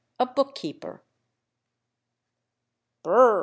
A BOOK KEEPER. " Br R R